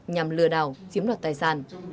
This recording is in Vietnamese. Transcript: nhằm lừa đảo chiếm đoạt tài sản